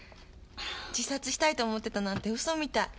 自殺したいと思ってたなんて嘘みたい。